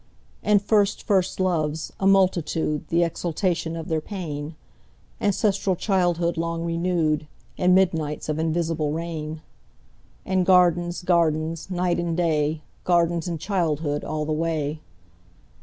And first first loves, a multitude, The exaltation of their pain; Ancestral childhood long renewed; And midnights of invisible rain; And gardens, gardens, night and day, Gardens and childhood all the way.